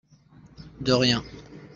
De rien.